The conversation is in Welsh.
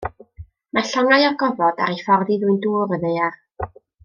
Mae llongau o'r gofod ar eu ffordd i ddwyn dŵr y Ddaear.